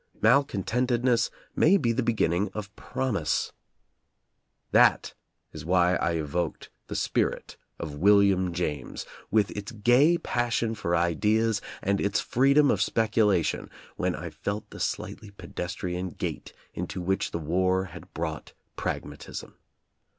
Malcontented ness may be the beginning of promise. That is why I evoked the spirit of William James, with its gay passion for ideas, and its freedom of speculation, when I felt the slightly pedestrian gait into which the war had brought pragmatism.